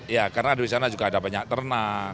ya karena di sana juga ada banyak ternak